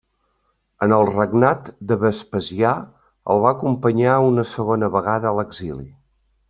En el regnat de Vespasià el va acompanyar una segona vegada a l'exili.